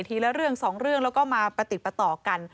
ละเรื่องสองเรื่องแล้วก็มาประติดประต่อกัน